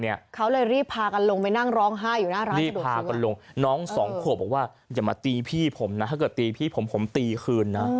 อย่ามาตีพี่ผมนะถ้าเกิดตีพี่ผมผมตีคืนนะ